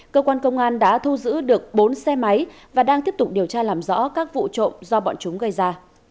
cơ quan công an đã thu giữ được bốn xe máy và đang tiếp tục điều tra làm rõ các vụ trộm do bọn chúng gây ra